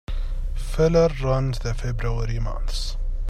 Feller runs the February months.